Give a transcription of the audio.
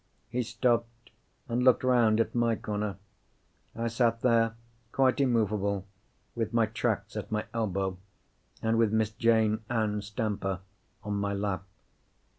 He stopped, and looked round at my corner. I sat there quite immovable, with my tracts at my elbow and with Miss Jane Ann Stamper on my lap.